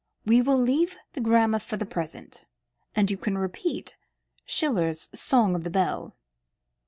"We will leave the grammar for the present, and you can repeat Schiller's Song of the Bell."